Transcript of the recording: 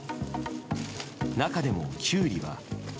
中でも、キュウリは。